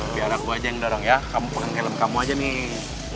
biar aku aja yang darang ya kamu pengen kelem kamu aja nih